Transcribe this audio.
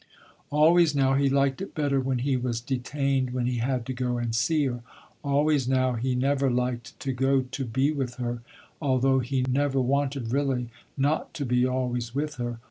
Always now he liked it better when he was detained when he had to go and see her. Always now he never liked to go to be with her, although he never wanted really, not to be always with her.